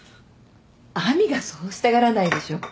亜美がそうしたがらないでしょ。